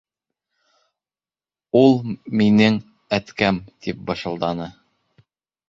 Ул... минең... әткәм... - тип бышылданы.